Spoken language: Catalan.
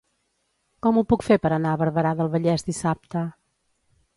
Com ho puc fer per anar a Barberà del Vallès dissabte?